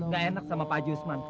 gak enak sama pak haji usman